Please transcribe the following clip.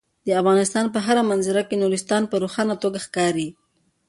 د افغانستان په هره منظره کې نورستان په روښانه توګه ښکاري.